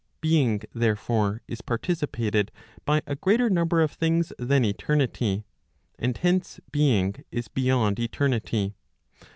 Being, therefore, is participated by a greater number of things than eternity. And hence being is beyond eternity.